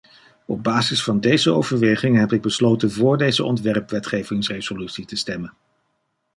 Op basis van deze overwegingen, heb ik besloten vóór deze ontwerpwetgevingsresolutie te stemmen.